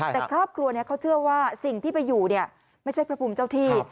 แต่ครอบครัวนี้เขาเชื่อว่าสิ่งที่ไปอยู่เนี่ยไม่ใช่พระภูมิเจ้าที่